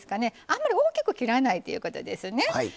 あんまり大きく切らないということですね。